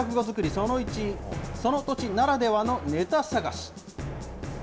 その１、その土地ならではのネタ探し。